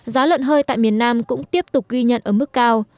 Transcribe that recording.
giá lợn hơi tại miền nam cũng tiếp tục ghi nhận ở mức cao